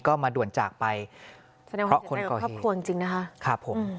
ก็มาด่วนจากไปเพราะคนก่อเหตุ